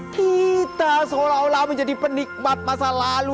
kita seolah olah menjadi penikmat masa lalu